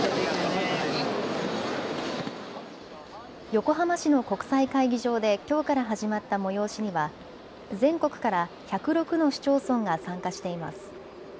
横浜市の国際会議場できょうから始まった催しには全国から１０６の市町村が参加しています。